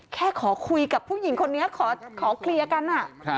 แค่ขอคุยกับผู้หญิงคนนี้ขอเคลียร์กัน